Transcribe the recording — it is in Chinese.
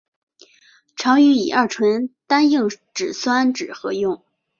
常与乙二醇单硬脂酸酯合用。